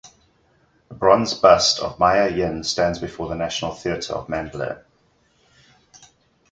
A bronze bust of Mya Yin stands before the National Theatre of Mandalay.